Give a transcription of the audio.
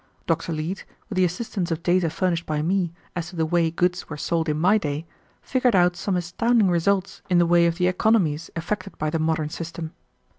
Dr. Leete, with the assistance of data furnished by me as to the way goods were sold in my day, figured out some astounding results in the way of the economies effected by the modern system.